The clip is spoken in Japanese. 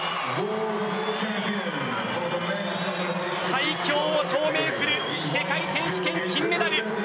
最強を証明する世界選手権金メダル。